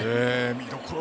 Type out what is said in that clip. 見どころ